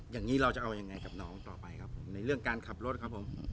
อย่างนี้เราจะเอายังไงกับน้องต่อไปครับผมในเรื่องการขับรถครับผม